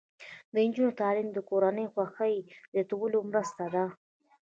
د نجونو تعلیم د کورنۍ خوښۍ زیاتولو مرسته ده.